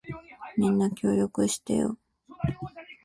みんな、協力してよ。